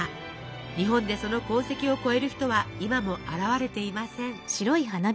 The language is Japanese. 日本でその功績を超える人は今も現れていません。